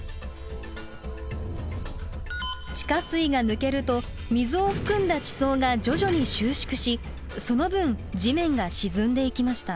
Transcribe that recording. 地下水が抜けると水を含んだ地層が徐々に収縮しその分地面が沈んでいきました。